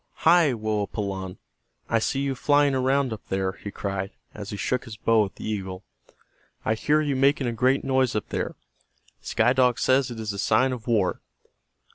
"Hi, Woapalanne, I see you flying around up there," he cried, as he shook his bow at the eagle. "I hear you making a great noise up there. Sky Dog says it is a sign of war.